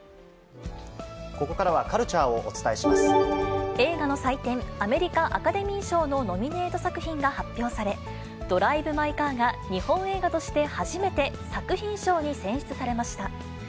ここからはカルチャーをお伝映画の祭典、アメリカアカデミー賞のノミネート作品が発表され、ドライブ・マイ・カーが日本映画として初めて、作品賞に選出されました。